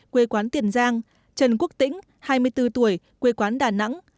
quê quán tiền giang trần quốc tĩnh hai mươi bốn tuổi quê quán đà nẵng